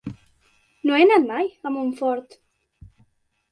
No he anat mai a Montfort.